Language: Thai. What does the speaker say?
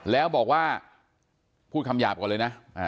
แล้วบอกว่าพูดคำหยาบก่อนเลยนะ